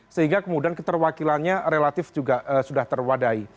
sehingga kemudian keterwakilannya relatif juga sudah terwadai